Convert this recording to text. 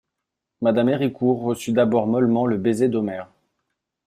Mme Héricourt reçut d'abord mollement le baiser d'Omer.